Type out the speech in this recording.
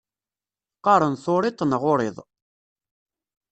Qqaṛen turiḍt neɣ uriḍ.